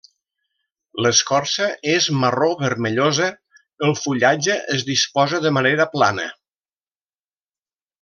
L'escorça és marró-vermellosa, el fullatge es disposa de manera plana.